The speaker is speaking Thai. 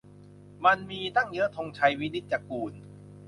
มันมี ตั้งเยอะ - ธงชัย วินิจจะกูล